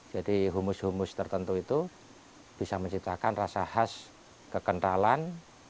jadi humus humus tertentu itu bisa menciptakan rasa khas kekentalan